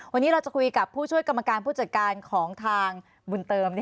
วันนี้เราจะคุยกับผู้ช่วยกรรมการผู้จัดการของทางบุญเติม